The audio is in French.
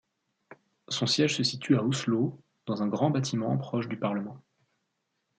Son siège se situe à Oslo, dans un grand bâtiment proche du parlement.